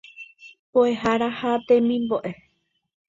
Mbo'ehára ha temimbo'e.